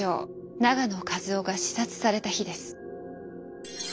永野一男が刺殺された日です。